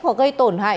hoặc gây tổn hại